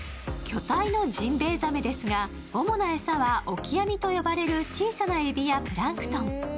巨体のジンベエザメですが主な餌はオキアミと呼ばれる小さなえびやプランクトン。